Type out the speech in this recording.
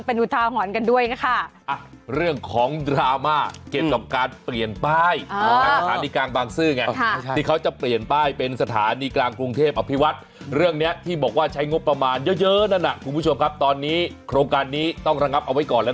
อ็ากดูแล้วก็ระมัดระวังเป็นหุดทางห่อนกันด้วยนะคะ